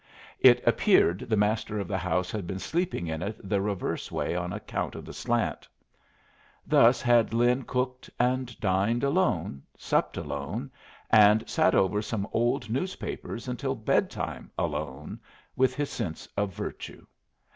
It appeared the master of the house had been sleeping in it the reverse way on account of the slant. Thus had Lin cooked and dined alone, supped alone, and sat over some old newspapers until bed time alone with his sense of virtue.